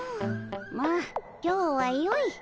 まあ今日はよい。